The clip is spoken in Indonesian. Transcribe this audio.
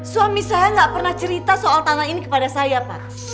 suami saya gak pernah cerita soal tanah ini kepada saya pak